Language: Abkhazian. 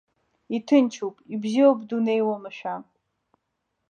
Иҭынчуп, ибзиоуп дунеи уамашәа.